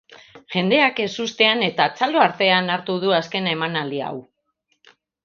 Jendeak ezustean eta txalo artean hartu du azken emanaldia hau.